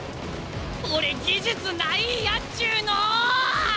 俺技術ないんやっちゅうの！